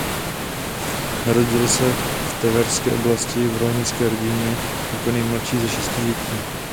Narodil se v Tverské oblasti v rolnické rodině jako nejmladší ze šesti dětí.